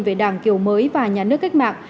về đảng kiểu mới và nhà nước cách mạng